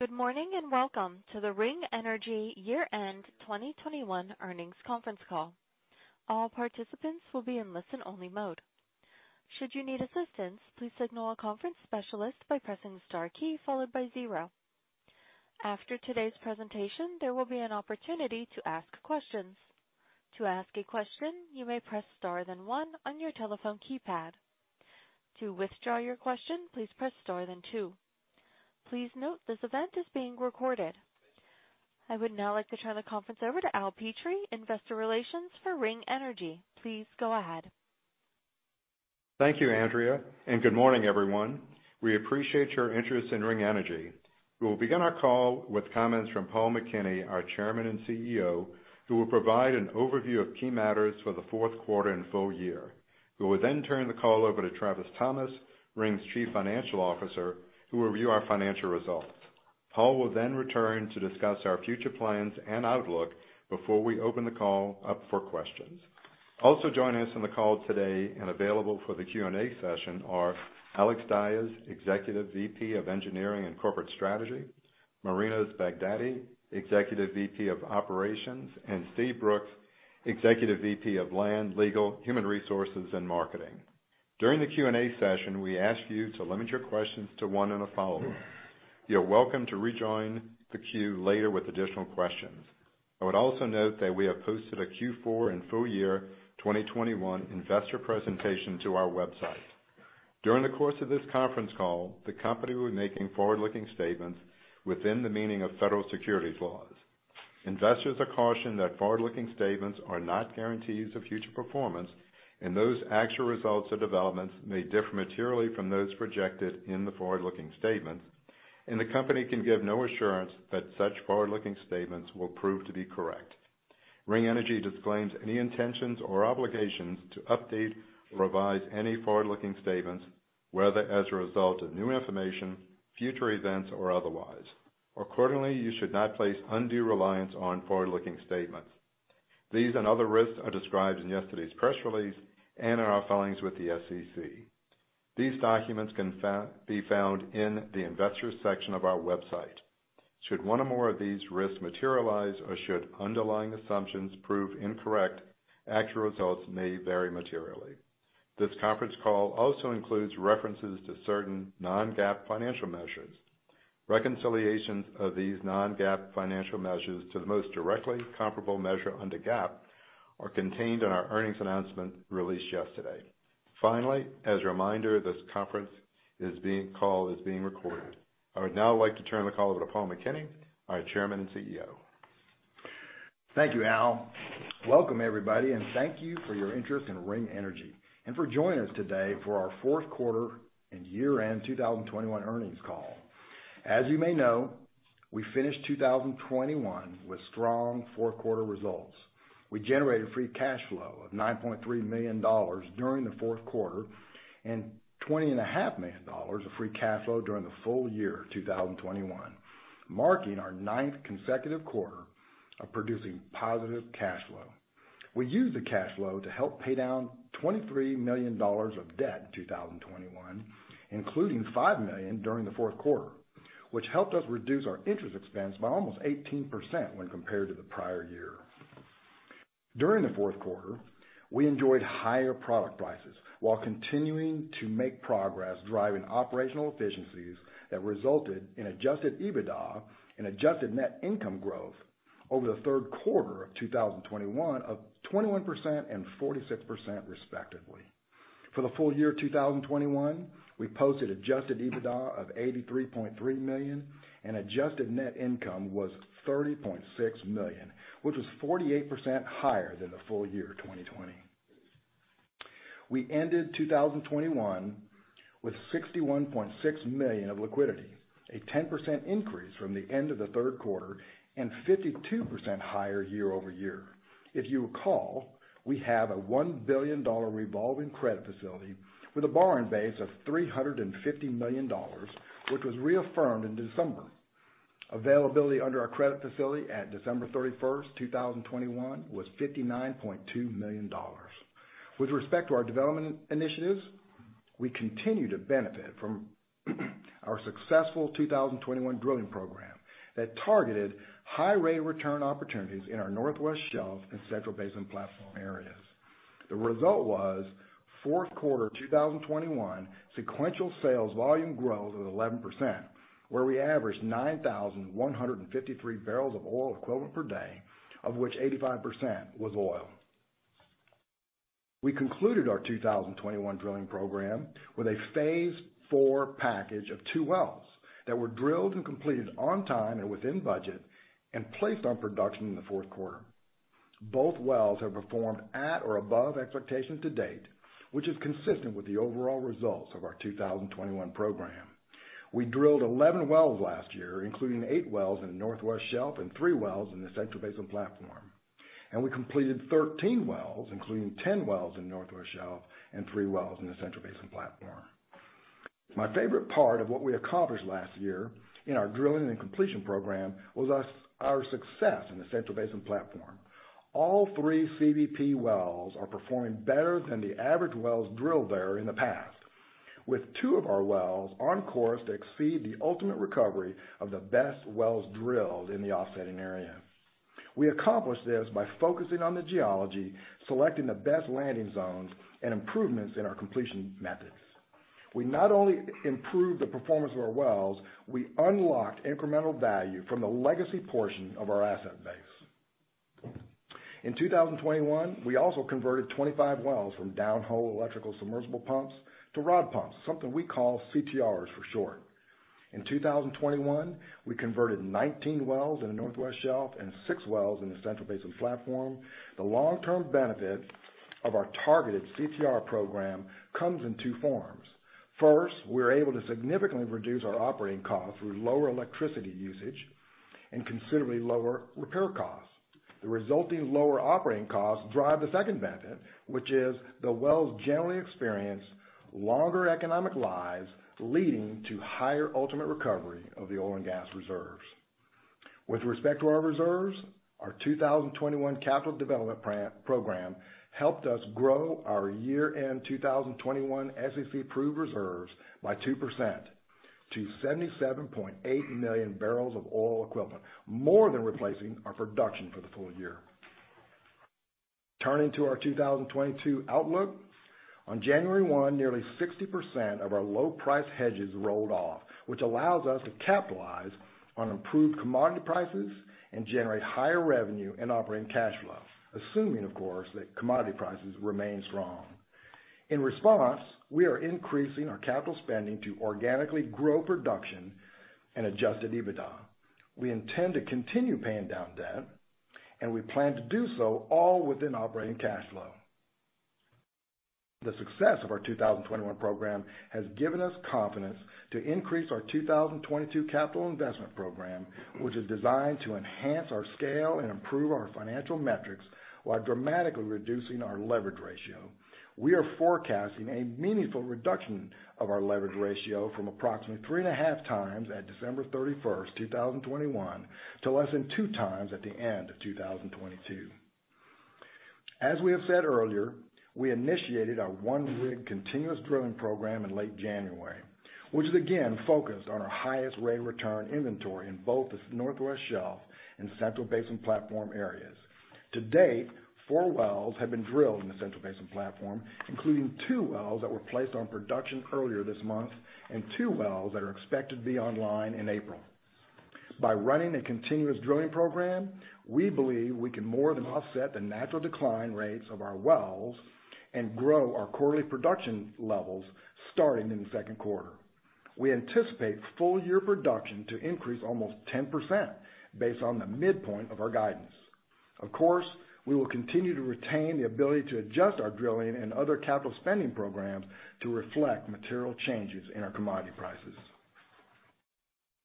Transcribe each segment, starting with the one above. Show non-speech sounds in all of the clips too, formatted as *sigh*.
Good morning, and welcome to the Ring Energy Year End 2021 Earnings Conference Call. All participants will be in listen-only mode. Should you need assistance, please signal a conference specialist by pressing star key followed by zero. After today's presentation, there will be an opportunity to ask questions. To ask a question, you may press star then one on your telephone keypad. To withdraw your question, please press star then two. Please note this event is being recorded. I would now like to turn the conference over to Al Petrie, Investor Relations for Ring Energy. Please go ahead. Thank you, Andrea, and good morning, everyone. We appreciate your interest in Ring Energy. We will begin our call with comments from Paul McKinney, our Chairman and CEO, who will provide an overview of key matters for the fourth quarter and full year. We will then turn the call over to Travis Thomas, Ring's Chief Financial Officer, who will review our financial results. Paul will then return to discuss our future plans and outlook before we open the call up for questions. Also joining us on the call today and available for the Q&A session are Alex Dias, Executive VP of Engineering and Corporate Strategy, Marinos Baghdadi, Executive VP of Operations, and Steve Brooks, Executive VP of Land, Legal, Human Resources, and Marketing. During the Q&A session, we ask you to limit your questions to one and a follow-up. You're welcome to rejoin the queue later with additional questions. I would also note that we have posted a Q4 and full year 2021 investor presentation to our website. During the course of this conference call, the company will be making forward-looking statements within the meaning of federal securities laws. Investors are cautioned that forward-looking statements are not guarantees of future performance, and those actual results or developments may differ materially from those projected in the forward-looking statements, and the company can give no assurance that such forward-looking statements will prove to be correct. Ring Energy disclaims any intentions or obligations to update or revise any forward-looking statements, whether as a result of new information, future events or otherwise. Accordingly, you should not place undue reliance on forward-looking statements. These and other risks are described in yesterday's press release and in our filings with the SEC. These documents can be found in the investors section of our website. Should one or more of these risks materialize or should underlying assumptions prove incorrect, actual results may vary materially. This conference call also includes references to certain non-GAAP financial measures. Reconciliations of these non-GAAP financial measures to the most directly comparable measure under GAAP are contained in our earnings announcement released yesterday. Finally, as a reminder, this call is being recorded. I would now like to turn the call over to Paul McKinney, our Chairman and CEO. Thank you, Al. Welcome, everybody, and thank you for your interest in Ring Energy and for joining us today for our fourth quarter and year-end 2021 earnings call. As you may know, we finished 2021 with strong fourth quarter results. We generated free cash flow of $9.3 million during the fourth quarter and $20.5 million of free cash flow during the full year 2021, marking our ninth consecutive quarter of producing positive cash flow. We used the cash flow to help pay down $23 million of debt in 2021, including $5 million during the fourth quarter, which helped us reduce our interest expense by almost 18% when compared to the prior year. During the fourth quarter, we enjoyed higher product prices while continuing to make progress driving operational efficiencies that resulted in adjusted EBITDA and adjusted net income growth over the third quarter of 2021 of 21% and 46% respectively. For the full year 2021, we posted adjusted EBITDA of $83.3 million and adjusted net income was $30.6 million, which was 48% higher than the full year 2020. We ended 2021 with $61.6 million of liquidity, a 10% increase from the end of the third quarter and 52% higher year-over-year. If you recall, we have a $1 billion revolving credit facility with a borrowing base of $350 million, which was reaffirmed in December. Availability under our credit facility at December 31st, 2021 was $59.2 million. With respect to our development initiatives, we continue to benefit from our successful 2021 drilling program that targeted high rate return opportunities in our Northwest Shelf and Central Basin Platform areas. The result was fourth quarter 2021 sequential sales volume growth of 11%, where we averaged 9,153 barrels of oil equivalent per day, of which 85% was oil. We concluded our 2021 drilling program with a phase IV package of two wells that were drilled and completed on time and within budget and placed on production in the fourth quarter. Both wells have performed at or above expectations to date, which is consistent with the overall results of our 2021 program. We drilled 11 wells last year, including eight wells in the Northwest Shelf and three wells in the Central Basin Platform, and we completed 13 wells, including 10 wells in Northwest Shelf and three wells in the Central Basin Platform. My favorite part of what we accomplished last year in our drilling and completion program was our success in the Central Basin Platform. All three CBP wells are performing better than the average wells drilled there in the past, with two of our wells on course to exceed the ultimate recovery of the best wells drilled in the offsetting area. We accomplished this by focusing on the geology, selecting the best landing zones, and improvements in our completion methods. We not only improved the performance of our wells, we unlocked incremental value from the legacy portion of our asset base. In 2021, we also converted 25 wells from down hole electrical submersible pumps to rod pumps, something we call CTRs for short. In 2021, we converted 19 wells in the Northwest Shelf and six wells in the Central Basin Platform. The long-term benefit of our targeted CTR program comes in two forms. First, we're able to significantly reduce our operating costs through lower electricity usage and considerably lower repair costs. The resulting lower operating costs drive the second benefit, which is the wells generally experience longer economic lives, leading to higher ultimate recovery of the oil and gas reserves. With respect to our reserves, our 2021 capital development program helped us grow our year-end 2021 SEC-approved reserves by 2% to 77.8 million barrels of oil equivalent, more than replacing our production for the full year. Turning to our 2022 outlook. On January 1, nearly 60% of our low price hedges rolled off, which allows us to capitalize on improved commodity prices and generate higher revenue and operating cash flow, assuming of course, that commodity prices remain strong. In response, we are increasing our capital spending to organically grow production and adjusted EBITDA. We intend to continue paying down debt, and we plan to do so all within operating cash flow. The success of our 2021 program has given us confidence to increase our 2022 capital investment program, which is designed to enhance our scale and improve our financial metrics while dramatically reducing our leverage ratio. We are forecasting a meaningful reduction of our leverage ratio from approximately 3.5x at December 31st, 2021, to less than 2x at the end of 2022. As we have said earlier, we initiated our one-rig continuous drilling program in late January, which is again focused on our highest rate return inventory in both the Northwest Shelf and Central Basin Platform areas. To date, four wells have been drilled in the Central Basin Platform, including two wells that were placed on production earlier this month and two wells that are expected to be online in April. By running a continuous drilling program, we believe we can more than offset the natural decline rates of our wells and grow our quarterly production levels starting in the second quarter. We anticipate full year production to increase almost 10% based on the midpoint of our guidance. Of course, we will continue to retain the ability to adjust our drilling and other capital spending programs to reflect material changes in our commodity prices.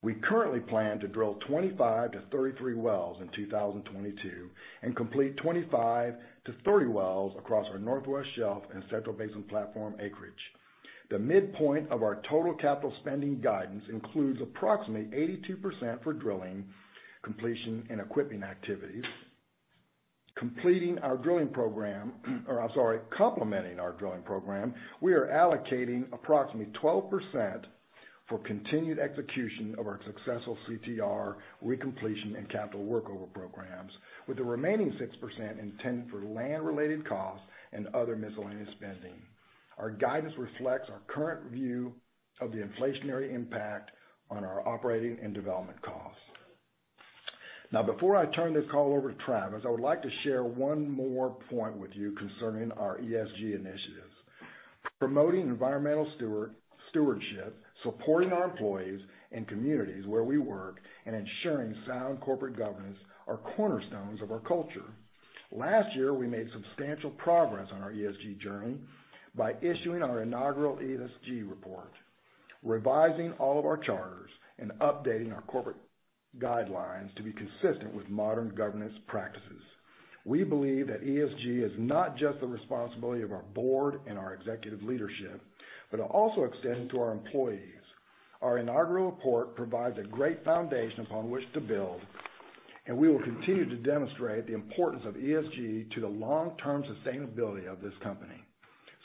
We currently plan to drill 25-33 wells in 2022 and complete 25-30 wells across our Northwest Shelf and Central Basin Platform acreage. The midpoint of our total capital spending guidance includes approximately 82% for drilling, completion, and equipping activities. Complementing our drilling program, we are allocating approximately 12% for continued execution of our successful CTR recompletion and capital workover programs with the remaining 6% intended for land-related costs and other miscellaneous spending. Our guidance reflects our current view of the inflationary impact on our operating and development costs. Now, before I turn this call over to Travis, I would like to share one more point with you concerning our ESG initiatives. Promoting environmental stewardship, supporting our employees and communities where we work, and ensuring sound corporate governance are cornerstones of our culture. Last year, we made substantial progress on our ESG journey by issuing our inaugural ESG report, revising all of our charters, and updating our corporate guidelines to be consistent with modern governance practices. We believe that ESG is not just the responsibility of our board and our executive leadership, but it also extends to our employees. Our inaugural report provides a great foundation upon which to build, and we will continue to demonstrate the importance of ESG to the long-term sustainability of this company.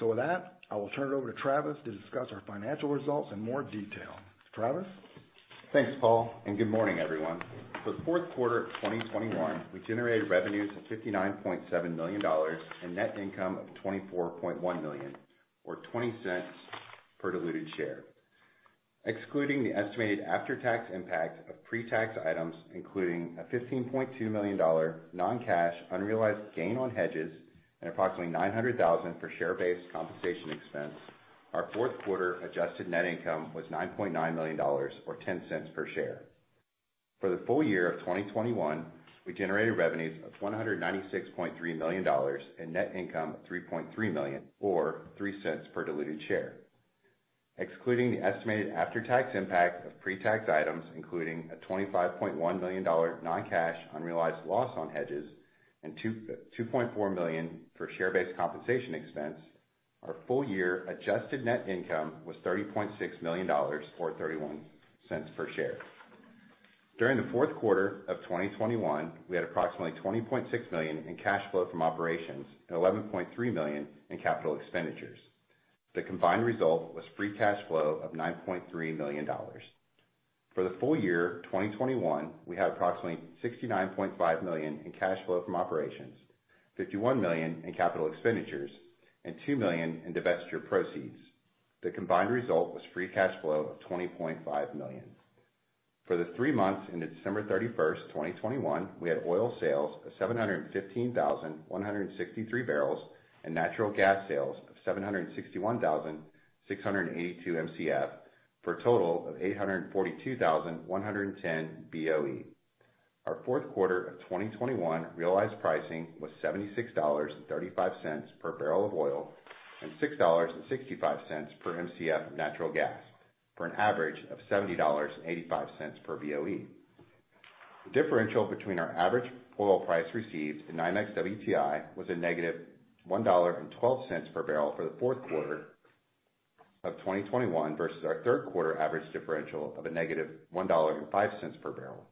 With that, I will turn it over to Travis to discuss our financial results in more detail. Travis? Thanks, Paul, and good morning, everyone. For the fourth quarter of 2021, we generated revenues of $59.7 million and net income of $24.1 million or $0.20 per diluted share. Excluding the estimated after-tax impact of pre-tax items, including a $15.2 million non-cash, unrealized gain on hedges and approximately $900,000 for share-based compensation expense, our fourth quarter adjusted net income was $9.9 million, or $0.10 per share. For the full year of 2021, we generated revenues of $196.3 million and net income of $3.3 million, or $0.03 per diluted share. Excluding the estimated after-tax impact of pre-tax items, including a $25.1 million non-cash unrealized loss on hedges and $2.4 million for share-based compensation expense, our full year adjusted net income was $30.6 million, or $0.31 per share. During the fourth quarter of 2021, we had approximately $20.6 million in cash flow from operations and $11.3 million in capital expenditures. The combined result was free cash flow of $9.3 million. For the full year 2021, we had approximately $69.5 million in cash flow from operations, $51 million in capital expenditures, and $2 million in divestiture proceeds. The combined result was free cash flow of $20.5 million. For the three months ended December 31st, 2021, we had oil sales of 715,163 barrels, and natural gas sales of 761,682 Mcf for a total of 842,110 Boe. Our fourth quarter of 2021 realized pricing was $76.35 per barrel of oil, and $6.65 per Mcf of natural gas, for an average of $70.85 per Boe. The differential between our average oil price received and NYMEX WTI was a -$1.12 per barrel for the fourth quarter of 2021 versus our third quarter average differential of a -$1.05 per barrel.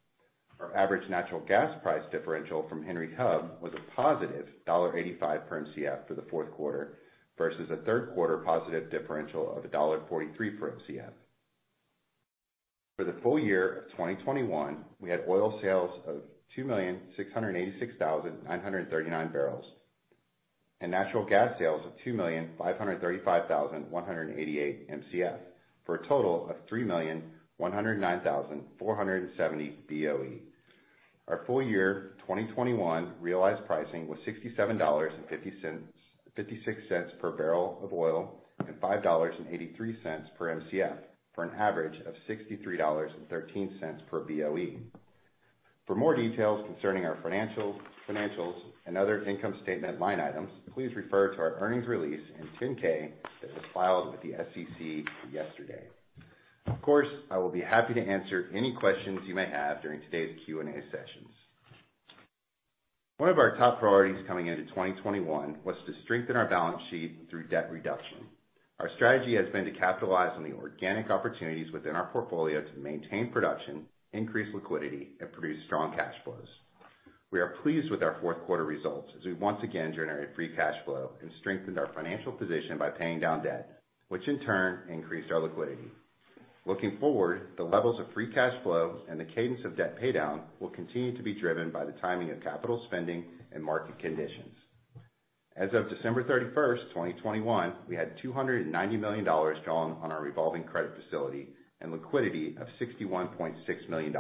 Our average natural gas price differential from Henry Hub was a +$1.85 per Mcf for the fourth quarter versus a third quarter positive differential of a $1.43 per Mcf. For the full year of 2021, we had oil sales of 2,686,939 barrels, and natural gas sales of 2,535,188 Mcf, for a total of 3,109,470 Boe. Our full-year 2021 realized pricing was $67.56 per barrel of oil, and $5.83 per Mcf, for an average of $63.13 per Boe. For more details concerning our financials and other income statement line items, please refer to our earnings release in 10-K that was filed with the SEC yesterday. Of course, I will be happy to answer any questions you may have during today's Q&A sessions. One of our top priorities coming into 2021 was to strengthen our balance sheet through debt reduction. Our strategy has been to capitalize on the organic opportunities within our portfolio to maintain production, increase liquidity, and produce strong cash flows. We are pleased with our fourth quarter results as we once again generated free cash flow and strengthened our financial position by paying down debt, which in turn increased our liquidity. Looking forward, the levels of free cash flow and the cadence of debt pay down will continue to be driven by the timing of capital spending and market conditions. As of December 31st, 2021, we had $290 million drawn on our revolving credit facility and liquidity of $61.6 million,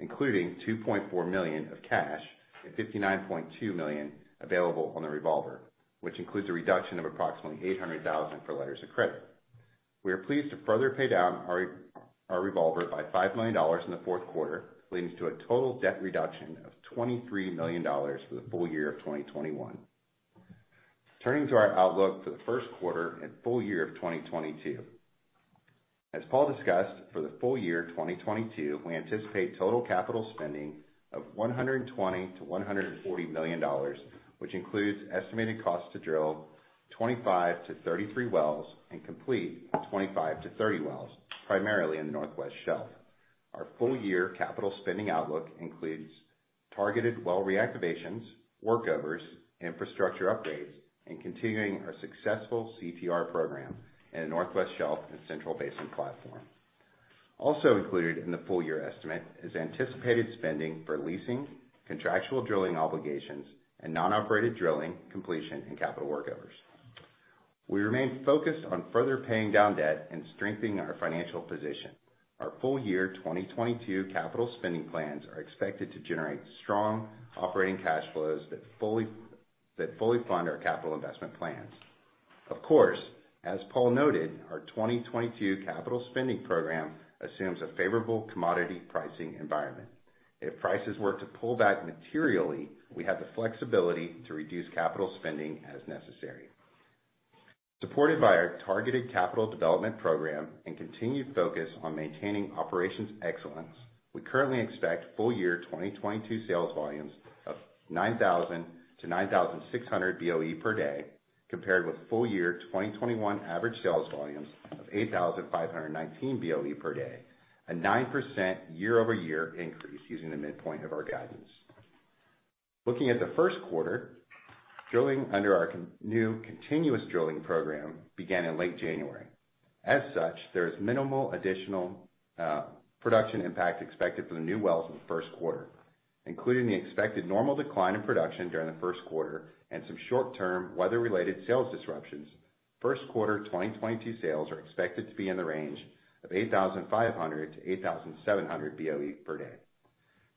including $2.4 million of cash, and $59.2 million available on the revolver, which includes a reduction of approximately $800,000 for letters of credit. We are pleased to further pay down our revolver by $5 million in the fourth quarter, leading to a total debt reduction of $23 million for the full year of 2021. Turning to our outlook for the first quarter and full year of 2022. As Paul discussed, for the full year 2022, we anticipate total capital spending of $120 million-$140 million, which includes estimated costs to drill 25-33 wells and complete 25-30 wells, primarily in the Northwest Shelf. Our full year capital spending outlook includes targeted well reactivations, workovers, infrastructure upgrades, and continuing our successful CTR program in the Northwest Shelf and Central Basin Platform. Also included in the full year estimate is anticipated spending for leasing, contractual drilling obligations, and non-operated drilling, completion, and capital workovers. We remain focused on further paying down debt and strengthening our financial position. Our full year 2022 capital spending plans are expected to generate strong operating cash flows that fully fund our capital investment plans. Of course, as Paul noted, our 2022 capital spending program assumes a favorable commodity pricing environment. If prices were to pull back materially, we have the flexibility to reduce capital spending as necessary. Supported by our targeted capital development program and continued focus on maintaining operations excellence, we currently expect full year 2022 sales volumes of 9,000 Boe-9,600 Boe per day, compared with full year 2021 average sales volumes of 8,519 Boe per day, a 9% year-over-year increase using the midpoint of our guidance. Looking at the first quarter, drilling under our continuous drilling program began in late January. As such, there is minimal additional production impact expected for the new wells in the first quarter, including the expected normal decline in production during the first quarter and some short-term weather-related sales disruptions. First quarter 2022 sales are expected to be in the range of 8,500 Boe-8,700 Boe per day.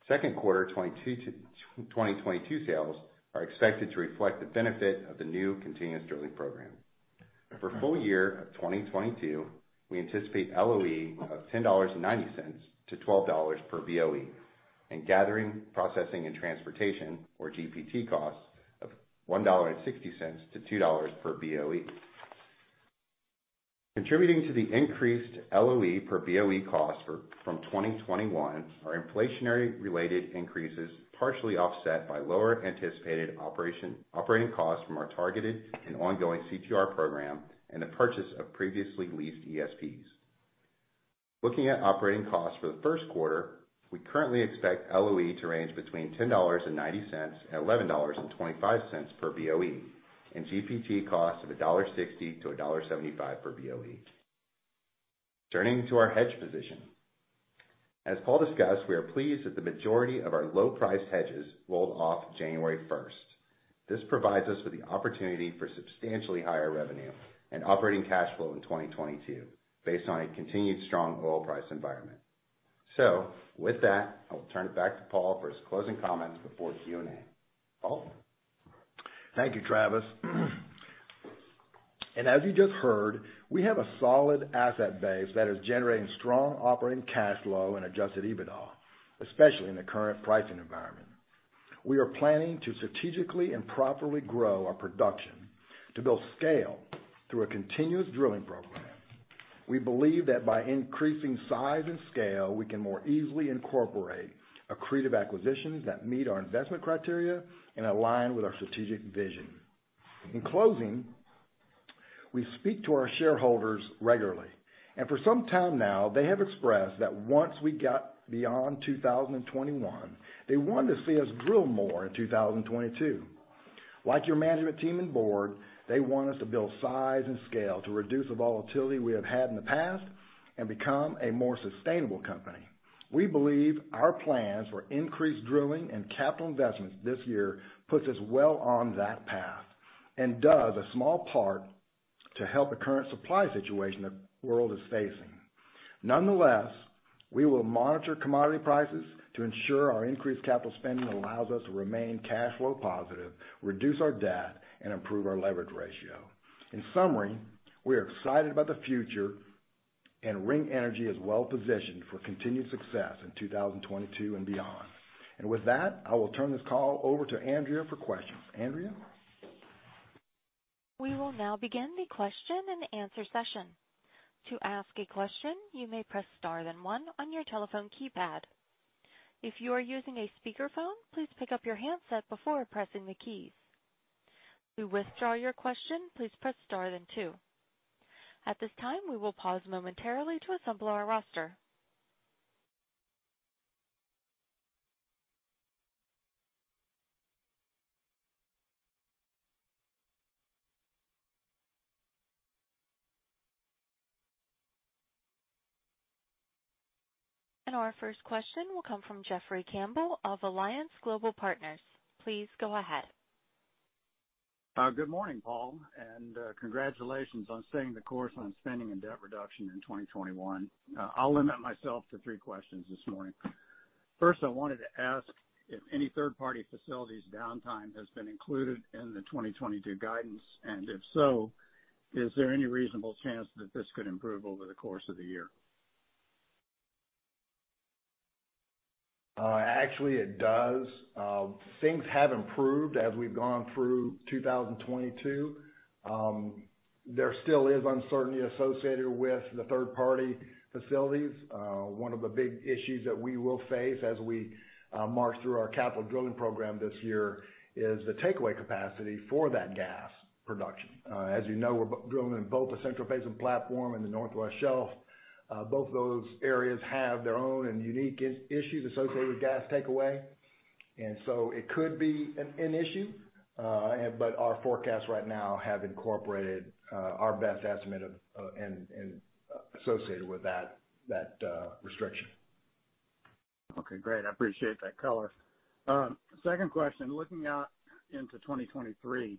Second quarter 2022 sales are expected to reflect the benefit of the new continuous drilling program. For full year 2022, we anticipate LOE of $10.90-$12 per Boe, and gathering, processing, and transportation, or GPT costs of $1.60-$2 per Boe. Contributing to the increased LOE per Boe cost from 2021 are inflationary-related increases, partially offset by lower anticipated operating costs from our targeted and ongoing CTR program and the purchase of previously leased ESPs. Looking at operating costs for the first quarter, we currently expect LOE to range between $10.90 and $11.25 per Boe, and GPT costs of $1.60-$1.75 per Boe. Turning to our hedge position. As Paul discussed, we are pleased that the majority of our low-priced hedges rolled off January 1st. This provides us with the opportunity for substantially higher revenue and operating cash flow in 2022 based on a continued strong oil price environment. With that, I'll turn it back to Paul for his closing comments before Q&A. Paul? Thank you, Travis. As you just heard, we have a solid asset base that is generating strong operating cash flow and adjusted EBITDA, especially in the current pricing environment. We are planning to strategically and properly grow our production to build scale through a continuous drilling program. We believe that by increasing size and scale, we can more easily incorporate accretive acquisitions that meet our investment criteria and align with our strategic vision. In closing, we speak to our shareholders regularly, and for some time now, they have expressed that once we got beyond 2021, they want to see us drill more in 2022. Like your management team and board, they want us to build size and scale to reduce the volatility we have had in the past and become a more sustainable company. We believe our plans for increased drilling and capital investments this year puts us well on that path and does a small part to help the current supply situation the world is facing. Nonetheless, we will monitor commodity prices to ensure our increased capital spending allows us to remain cash flow positive, reduce our debt, and improve our leverage ratio. In summary, we are excited about the future, and Ring Energy is well positioned for continued success in 2022 and beyond. With that, I will turn this call over to Andrea for questions. Andrea? We will now begin the question-and-answer session. To ask a question, you may press star then one on your telephone keypad. If you are using a speakerphone, please pick up your handset before pressing the keys. To withdraw your question, please press star then two. At this time, we will pause momentarily to assemble our roster. Our first question will come from Jeffrey Campbell of Alliance Global Partners. Please go ahead. Good morning, Paul, and congratulations on staying the course on spending and debt reduction in 2021. I'll limit myself to three questions this morning. First, I wanted to ask if any third-party facilities downtime has been included in the 2022 guidance, and if so, is there any reasonable chance that this could improve over the course of the year? Actually it does. Things have improved as we've gone through 2022. There still is uncertainty associated with the third-party facilities. One of the big issues that we will face as we march through our capital drilling program this year is the takeaway capacity for that gas production. As you know, we're drilling in both the Central Basin Platform and the Northwest Shelf. Both those areas have their own and unique issues associated with gas takeaway, and so it could be an issue. Our forecasts right now have incorporated our best estimate of and associated with that restriction. Okay, great. I appreciate that color. Second question. Looking out into 2023,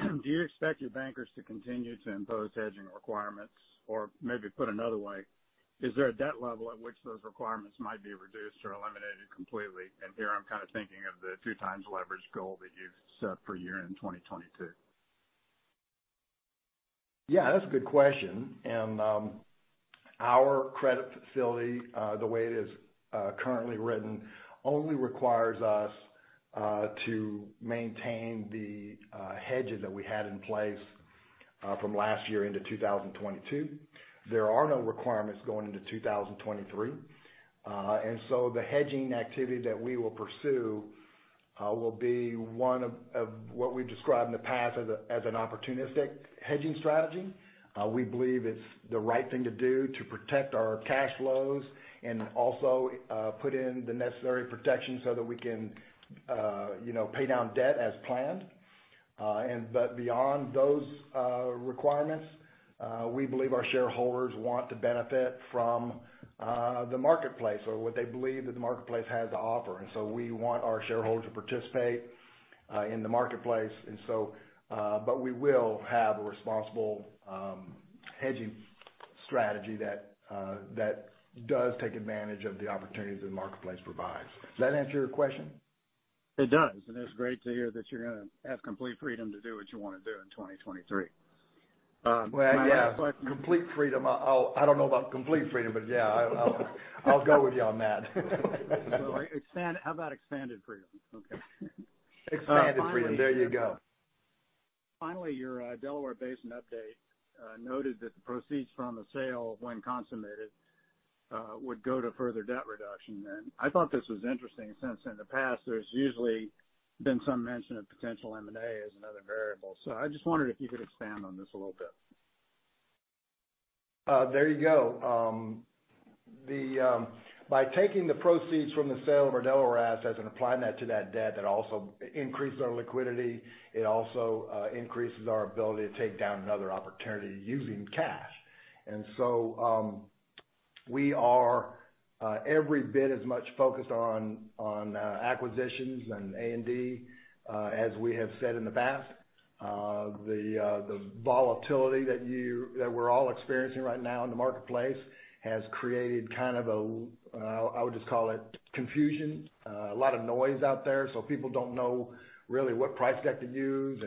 do you expect your bankers to continue to impose hedging requirements? Or maybe put another way, is there a debt level at which those requirements might be reduced or eliminated completely? Here, I'm kind of thinking of the 2x leverage goal that you've set for year-end 2022. Yeah, that's a good question. Our credit facility, the way it is currently written, only requires us to maintain the hedges that we had in place from last year into 2022. There are no requirements going into 2023. The hedging activity that we will pursue will be one of what we've described in the past as an opportunistic hedging strategy. We believe it's the right thing to do to protect our cash flows and also put in the necessary protection so that we can, you know, pay down debt as planned. Beyond those requirements, we believe our shareholders want to benefit from the marketplace or what they believe that the marketplace has to offer. We want our shareholders to participate in the marketplace. We will have a responsible hedging strategy that does take advantage of the opportunities the marketplace provides. Does that answer your question? It does, and it's great to hear that you're gonna have complete freedom to do what you wanna do in 2023. *crosstalk* Well, yeah, complete freedom. I don't know about complete freedom, but yeah. I'll go with you on that. How about expanded freedom? Okay. Expanded freedom. There you go. Finally, your Delaware Basin update noted that the proceeds from the sale when consummated would go to further debt reduction then. I thought this was interesting since in the past there's usually some mention of potential M&A as another variable. I just wondered if you could expand on this a little bit? There you go. By taking the proceeds from the sale of our Delaware assets and applying that to that debt, that also increases our liquidity. It also increases our ability to take down another opportunity using cash. We are every bit as much focused on acquisitions and A&D as we have said in the past. The volatility that we're all experiencing right now in the marketplace has created kind of a, I would just call it, confusion. A lot of noise out there, so people don't know really what price they have to use.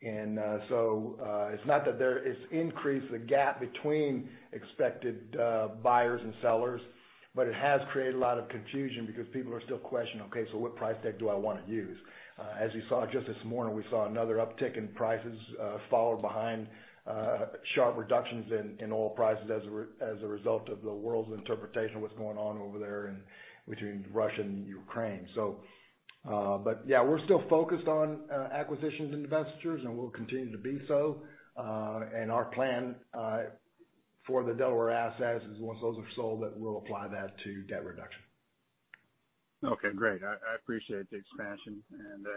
It's not that there. It's increased the gap between expected buyers and sellers, but it has created a lot of confusion because people are still questioning, "Okay, so what price tag do I wanna use?" As you saw just this morning, we saw another uptick in prices follow behind sharp reductions in oil prices as a result of the world's interpretation of what's going on over there in between Russia and Ukraine. But yeah, we're still focused on acquisitions and divestitures, and we'll continue to be so. Our plan for the Delaware assets is once those are sold, that we'll apply that to debt reduction. Okay, great. I appreciate the expansion.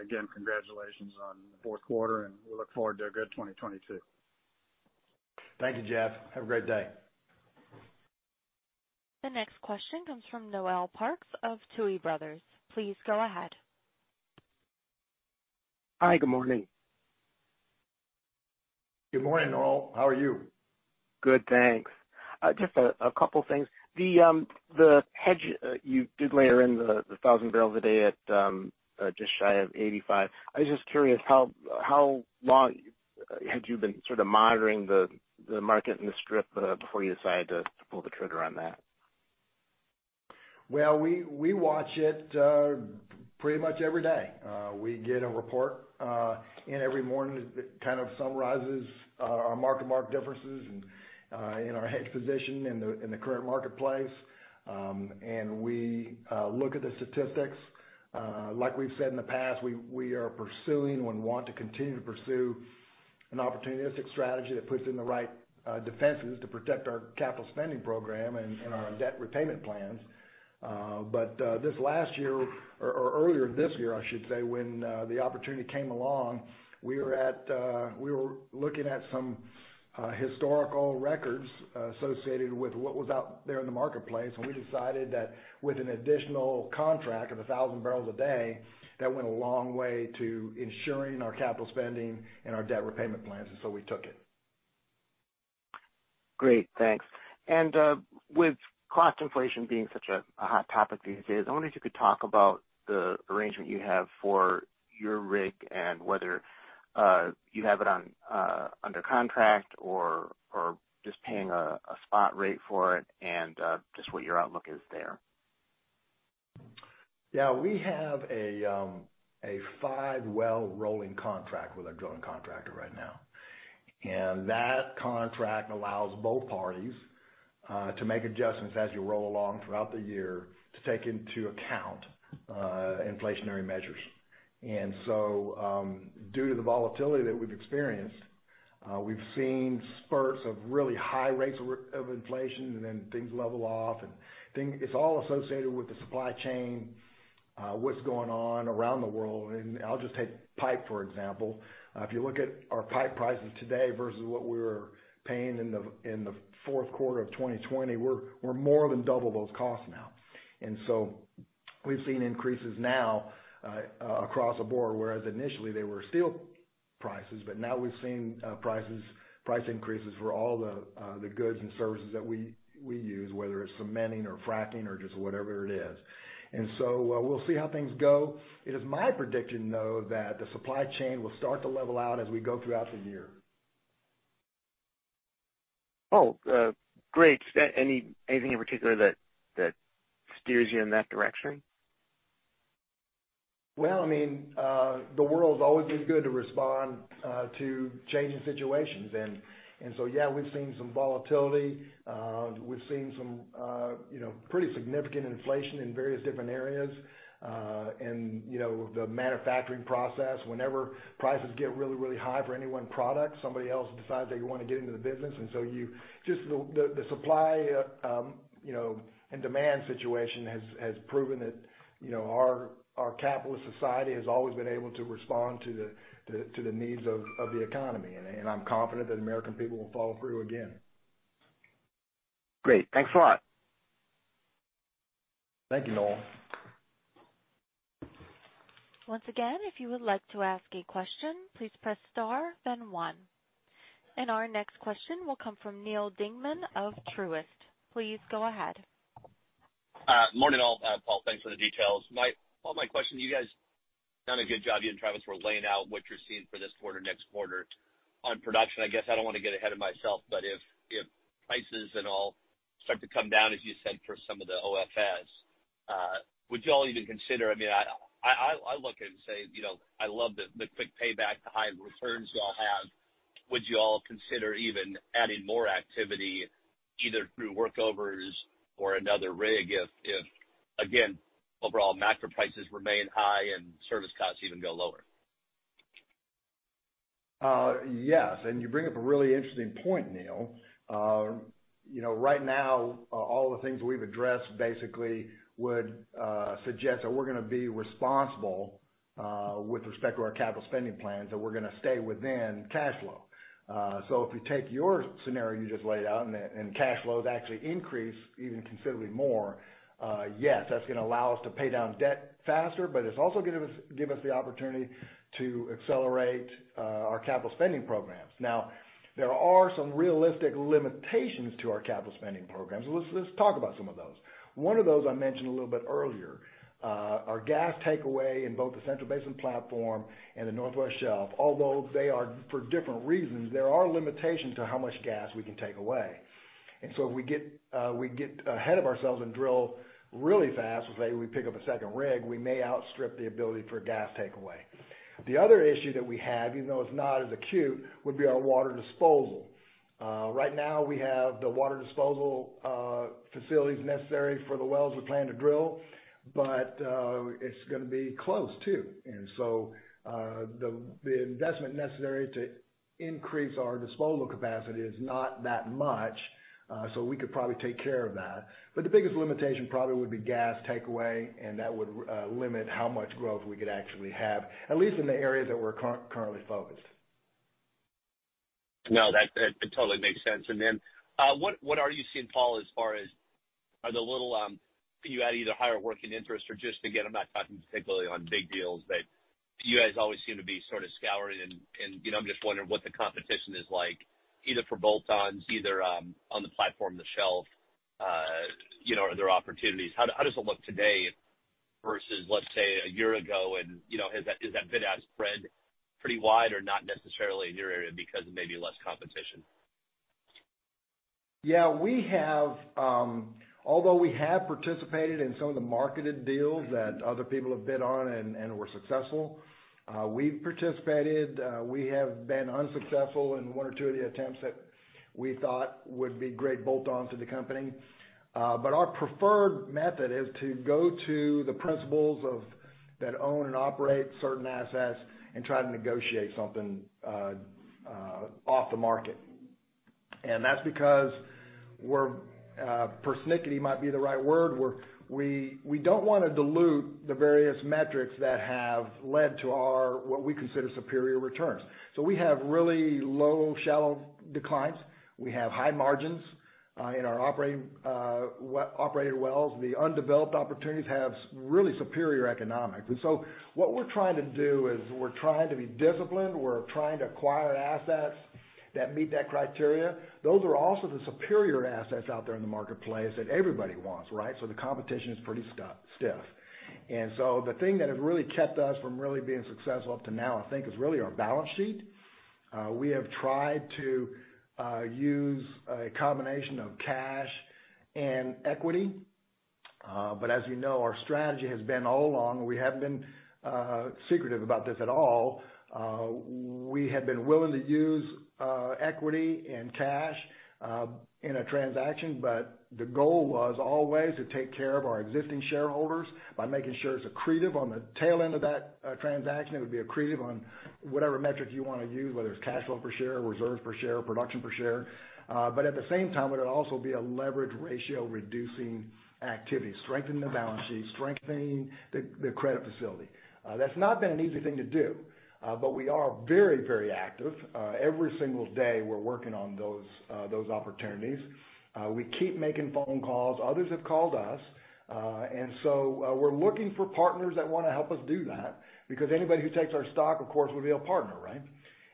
Again, congratulations on the fourth quarter, and we look forward to a good 2022. Thank you, Jeff. Have a great day. The next question comes from Noel Parks of Tuohy Brothers. Please go ahead. Hi, good morning. Good morning, Noel. How are you? Good, thanks. Just a couple things. The hedge you did layer in the 1,000 barrels a day at just shy of $85. I was just curious how long had you been sort of monitoring the market and the strip before you decided to pull the trigger on that? Well, we watch it pretty much every day. We get a report every morning that kind of summarizes our mark-to-market differences and in our hedge position in the current marketplace. We look at the statistics. Like we've said in the past, we are pursuing and want to continue to pursue an opportunistic strategy that puts in the right defenses to protect our capital spending program and our debt repayment plans. Earlier this year, I should say, when the opportunity came along, we were looking at some historical records associated with what was out there in the marketplace, and we decided that with an additional contract of 1,000 barrels a day, that went a long way to ensuring our capital spending and our debt repayment plans, and so we took it. Great. Thanks. With cost inflation being such a hot topic these days, I wonder if you could talk about the arrangement you have for your rig and whether you have it under contract or just paying a spot rate for it and just what your outlook is there. Yeah. We have a five-well rolling contract with our drilling contractor right now. That contract allows both parties to make adjustments as you roll along throughout the year to take into account inflationary measures. Due to the volatility that we've experienced, we've seen spurts of really high rates of inflation and then things level off and things. It's all associated with the supply chain, what's going on around the world. I'll just take pipe, for example. If you look at our pipe prices today versus what we were paying in the fourth quarter of 2020, we're more than double those costs now. We've seen increases now across the board, whereas initially they were steel prices, but now we've seen price increases for all the goods and services that we use, whether it's cementing or fracking or just whatever it is. We'll see how things go. It is my prediction, though, that the supply chain will start to level out as we go throughout the year. Oh, great. Anything in particular that steers you in that direction? Well, I mean, the world's always been good to respond to changing situations. Yeah, we've seen some volatility. We've seen some, you know, pretty significant inflation in various different areas. You know, the manufacturing process, whenever prices get really, really high for any one product, somebody else decides they wanna get into the business. Just the supply, you know, and demand situation has proven that, you know, our capitalist society has always been able to respond to the needs of the economy, and I'm confident that American people will follow through again. Great. Thanks a lot. Thank you, Noel. Once again, if you would like to ask a question, please press star then one. Our next question will come from Neal Dingmann of Truist. Please go ahead. Morning, all. Paul, thanks for the details. Well, my question to you guys, done a good job, you and Travis, for laying out what you're seeing for this quarter, next quarter. On production, I guess I don't want to get ahead of myself, but if prices and all start to come down, as you said, for some of the OFS, would y'all even consider, I mean, I'll look at it and say, you know, I love the quick payback, the high returns y'all have. Would you all consider even adding more activity either through workovers or another rig if, again, overall macro prices remain high and service costs even go lower? Yes. You bring up a really interesting point, Neal. You know, right now, all the things we've addressed basically would suggest that we're gonna be responsible with respect to our capital spending plans, that we're gonna stay within cash flow. If you take your scenario you just laid out and cash flows actually increase even considerably more, yes, that's gonna allow us to pay down debt faster, but it's also gonna give us the opportunity to accelerate our capital spending programs. Now, there are some realistic limitations to our capital spending programs. Let's talk about some of those. One of those I mentioned a little bit earlier, our gas takeaway in both the Central Basin Platform and the Northwest Shelf, although they are for different reasons, there are limitations to how much gas we can take away. If we get ahead of ourselves and drill really fast, let's say we pick up a second rig, we may outstrip the ability for gas takeaway. The other issue that we have, even though it's not as acute, would be our water disposal. Right now, we have the water disposal facilities necessary for the wells we plan to drill, but it's gonna be close too. The investment necessary to increase our disposal capacity is not that much, so we could probably take care of that. The biggest limitation probably would be gas takeaway, and that would limit how much growth we could actually have, at least in the areas that we're currently focused. No, that totally makes sense. What are you seeing, Paul, as far as you add either higher working interest or just, again, I'm not talking particularly on big deals, but you guys always seem to be sort of scouring and you know, I'm just wondering what the competition is like either for bolt-ons on the platform, the shelf, you know, are there opportunities? How does it look today versus, let's say, a year ago? You know, is that bid-ask spread pretty wide or not necessarily in your area because of maybe less competition? Yeah. We have, although we have participated in some of the marketed deals that other people have bid on and were successful, we have been unsuccessful in one or two of the attempts that we thought would be great bolt-ons to the company. Our preferred method is to go to the principals that own and operate certain assets and try to negotiate something off the market. That's because we're persnickety might be the right word. We don't wanna dilute the various metrics that have led to our, what we consider, superior returns. We have really low shallow declines. We have high margins in our operated wells. The undeveloped opportunities have really superior economics. What we're trying to do is to be disciplined. We're trying to acquire assets that meet that criteria. Those are also the superior assets out there in the marketplace that everybody wants, right? The competition is pretty stiff. The thing that has really kept us from really being successful up to now, I think, is really our balance sheet. We have tried to use a combination of cash and equity. As you know, our strategy has been all along, we haven't been secretive about this at all. We have been willing to use equity and cash in a transaction, but the goal was always to take care of our existing shareholders by making sure it's accretive on the tail end of that transaction. It would be accretive on whatever metric you wanna use, whether it's cash flow per share, reserve per share, production per share. At the same time, it would also be a leverage ratio reducing activity, strengthening the balance sheet, strengthening the credit facility. That's not been an easy thing to do, but we are very, very active. Every single day, we're working on those opportunities. We keep making phone calls. Others have called us. We're looking for partners that wanna help us do that because anybody who takes our stock, of course, would be a partner, right?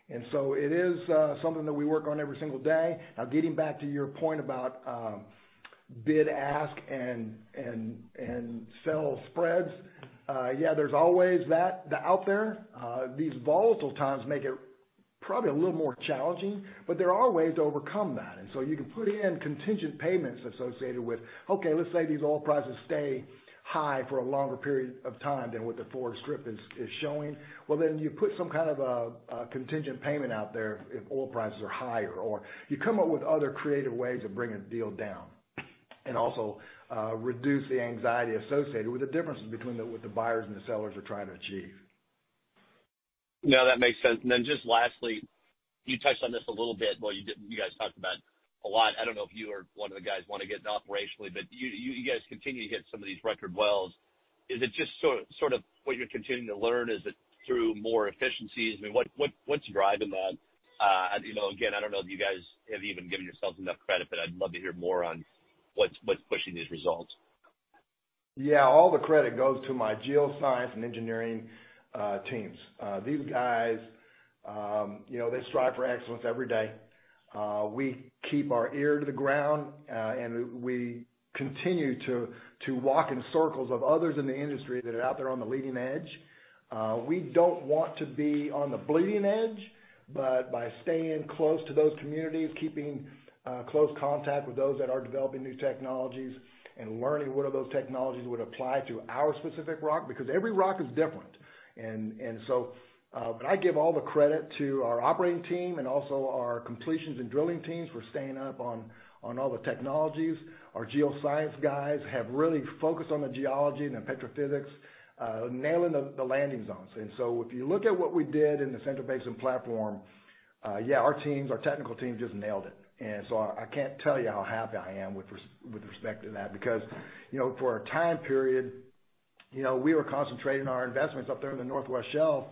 It is something that we work on every single day. Now, getting back to your point about bid ask and sell spreads, yeah, there's always that out there. These volatile times make it probably a little more challenging, but there are ways to overcome that. You can put in contingent payments associated with, okay, let's say these oil prices stay high for a longer period of time than what the forward strip is showing. Well, then you put some kind of a contingent payment out there if oil prices are higher, or you come up with other creative ways of bringing the deal down and also reduce the anxiety associated with the differences between what the buyers and the sellers are trying to achieve. No, that makes sense. Just lastly, you touched on this a little bit, well, you didn't, you guys talked about a lot. I don't know if you or one of the guys wanna get into operationally, but you guys continue to hit some of these record wells. Is it just sort of what you're continuing to learn? Is it through more efficiencies? I mean, what's driving that? You know, again, I don't know if you guys have even given yourselves enough credit, but I'd love to hear more on what's pushing these results. Yeah. All the credit goes to my geoscience and engineering teams. These guys, you know, they strive for excellence every day. We keep our ear to the ground, and we continue to walk in circles of others in the industry that are out there on the leading edge. We don't want to be on the bleeding edge, but by staying close to those communities, keeping close contact with those that are developing new technologies and learning whether those technologies would apply to our specific rock, because every rock is different. I give all the credit to our operating team and also our completions and drilling teams for staying up on all the technologies. Our geoscience guys have really focused on the geology and the petrophysics, nailing the landing zones. If you look at what we did in the Central Basin Platform, our teams, our technical teams just nailed it. I can't tell you how happy I am with respect to that, because, you know, for a time period, you know, we were concentrating our investments up there in the Northwest Shelf,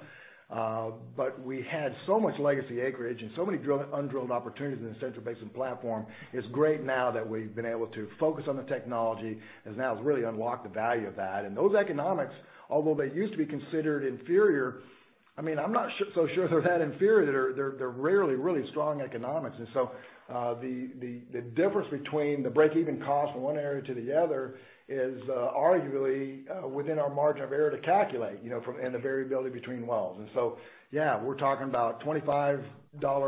but we had so much legacy acreage and so many undrilled opportunities in the Central Basin Platform. It's great now that we've been able to focus on the technology, as now it's really unlocked the value of that. Those economics, although they used to be considered inferior, I mean, I'm not so sure they're that inferior. They're rarely really strong economics. The difference between the break-even cost from one area to the other is arguably within our margin of error to calculate, you know, and the variability between wells. Yeah, we're talking about $25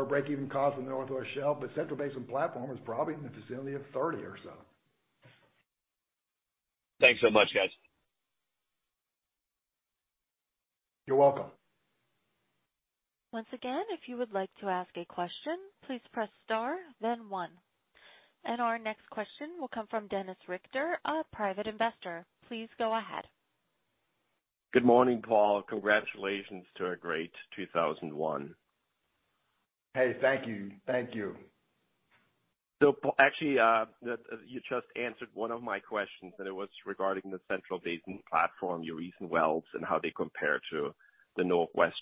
break-even cost in the Northwest Shelf, but Central Basin Platform is probably in the vicinity of $30 or so. Thanks so much, guys. You're welcome. Our next question will come from Dennis Richter, a private investor. Please go ahead. Good morning, Paul. Congratulations to a great 2001. Hey, thank you. Thank you. Actually, you just answered one of my questions, and it was regarding the Central Basin Platform, your recent wells, and how they compare to the Northwest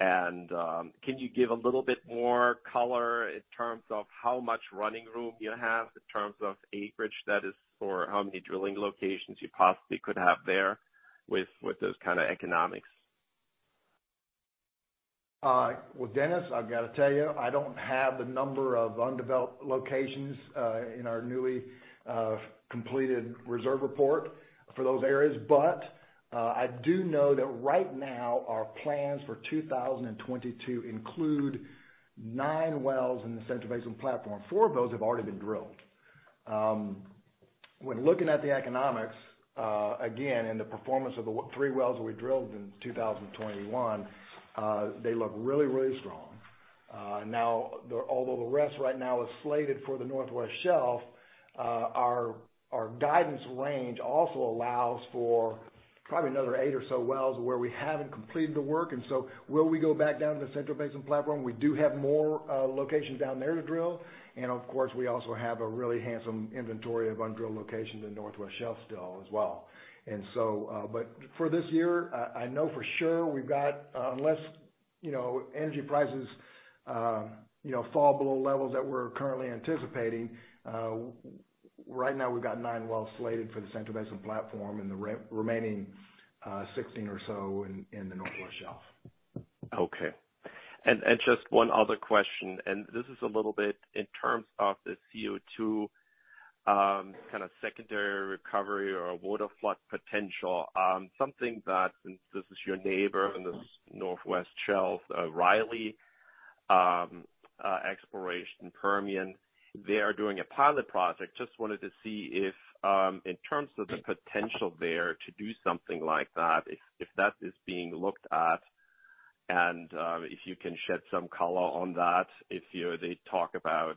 Shelf. Can you give a little bit more color in terms of how much running room you have in terms of acreage that is, or how many drilling locations you possibly could have there with those kinda economics? Well, Dennis, I've gotta tell you, I don't have the number of undeveloped locations in our newly completed reserve report for those areas. I do know that right now, our plans for 2022 include nine wells in the Central Basin Platform. Four of those have already been drilled. When looking at the economics, again, and the performance of the three wells that we drilled in 2021, they look really strong. Now, although the rest right now is slated for the Northwest Shelf, our guidance range also allows for probably another eight or so wells where we haven't completed the work. Will we go back down to the Central Basin Platform? We do have more locations down there to drill. Of course, we also have a really handsome inventory of undrilled locations in Northwest Shelf still as well. But for this year, I know for sure we've got, unless, you know, energy prices, you know, fall below levels that we're currently anticipating, right now we've got nine wells slated for the Central Basin Platform and the remaining, 16 or so in the Northwest Shelf. Okay. Just one other question, this is a little bit in terms of the CO2, kinda secondary recovery or water flood potential. Something that, since this is your neighbor in this Northwest Shelf, Riley Exploration Permian, they are doing a pilot project. Just wanted to see if, in terms of the potential there to do something like that is being looked at and, if you can shed some color on that. You know, they talk about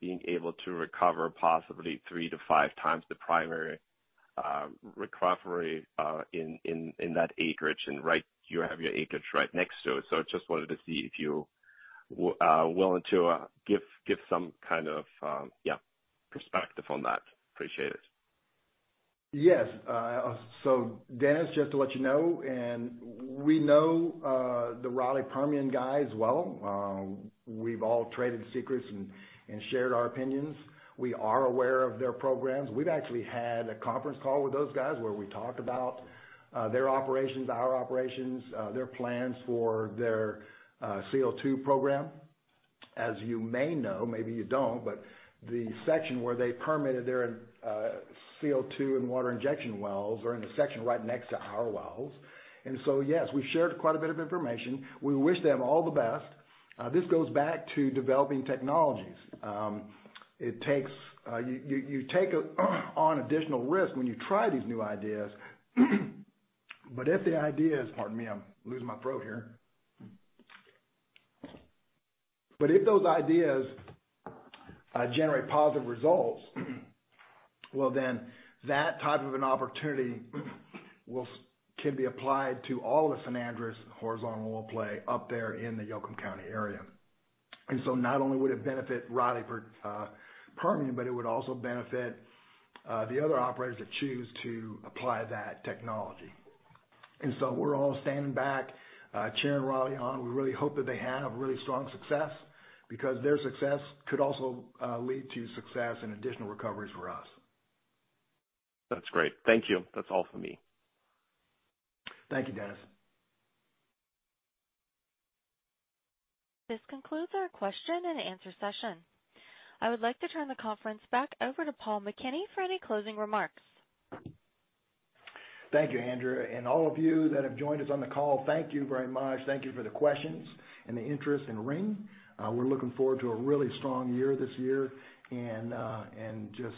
being able to recover possibly three to five times the primary recovery in that acreage, and right, you have your acreage right next to it. I just wanted to see if you willing to give some kind of perspective on that. Appreciate it. Yes. So Dennis, just to let you know, and we know the Riley Permian guys well. We've all traded secrets and shared our opinions. We are aware of their programs. We've actually had a conference call with those guys where we talked about their operations, our operations, their plans for their CO2 program. As you may know, maybe you don't, but the section where they permitted their CO2 and water injection wells are in the section right next to our wells. Yes, we've shared quite a bit of information. We wish them all the best. This goes back to developing technologies. You take on additional risk when you try these new ideas. If the ideas, pardon me. I'm losing my throat here. If those ideas generate positive results, well, then that type of an opportunity can be applied to all of the San Andres horizontal oil play up there in the Yoakum County area. Not only would it benefit Riley Permian, but it would also benefit the other operators that choose to apply that technology. We're all standing back cheering Riley on. We really hope that they have a really strong success because their success could also lead to success and additional recoveries for us. That's great. Thank you. That's all for me. Thank you, Dennis. This concludes our question and answer session. I would like to turn the conference back over to Paul McKinney for any closing remarks. Thank you, Andrea, and all of you that have joined us on the call, thank you very much. Thank you for the questions and the interest in Ring. We're looking forward to a really strong year this year and just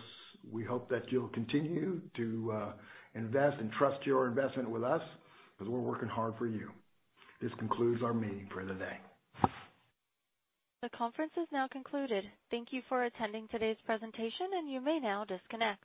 we hope that you'll continue to invest and trust your investment with us 'cause we're working hard for you. This concludes our meeting for the day. The conference is now concluded. Thank you for attending today's presentation, and you may now disconnect.